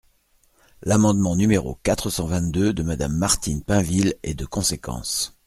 L’amendement numéro quatre cent vingt-deux de Madame Martine Pinville est de conséquence.